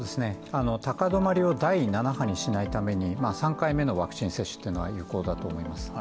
高止まりを第７波にしないために３回目のワクチン接種というのは有効だと思います。